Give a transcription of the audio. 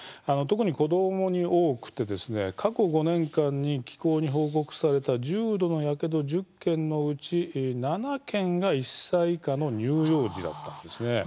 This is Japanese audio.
特に子どもに多くて過去５年間に機構に報告された重度のやけど１０件のうち７件が１歳以下の乳幼児だったんですね。